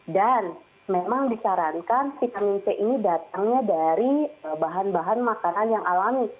dan memang disarankan vitamin c ini datangnya dari bahan bahan makanan yang alami